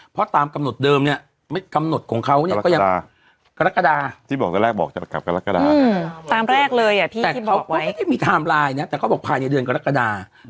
เพราะตามกำหนดเดิมเนี่ยกำหนดของเขาเนี่ยก็ยังกรกฎา